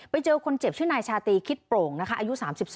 ไปเจอคนเจ็บชื่อนายชาตรีคิดโปร่งนะคะอายุ๓๒